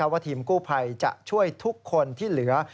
ว่าทีมกู้ภัยจะช่วยทุกคนที่เหลือ